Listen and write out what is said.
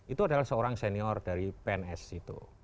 itu adalah seorang senior dari pns itu